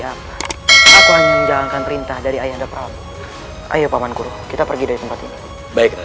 apa aku hanya menjalankan perintah dari ayah depramu ayo pamankuro kita pergi dari tempat ini baiklah